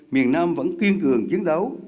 miền nam vẫn tuyên cường chiến đấu